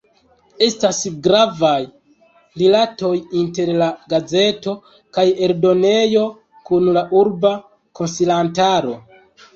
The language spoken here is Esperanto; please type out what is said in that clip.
Estas gravaj rilatoj inter la gazeto kaj eldonejo kun la urba konsilantaro.